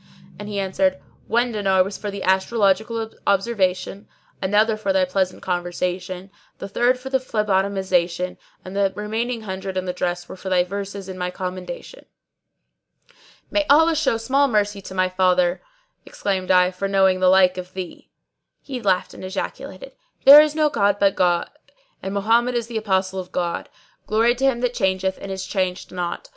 and he answered, 'One dinar was for the astrological observation, another for thy pleasant conversation, the third for the phlebotomisation, and the remaining hundred and the dress were for thy verses in my commendation.'" "May Allah show small mercy to my father," exclaimed I, "for knowing the like of thee." He laughed and ejaculated, "There is no god but the God and Mohammed is the Apostle of God! Glory to Him that changeth and is changed not!